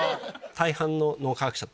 大半の脳科学者